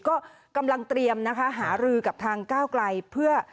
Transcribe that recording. ก็กำลังเตรียมนะคะหารือกับทางก้าวไกลเพื่อ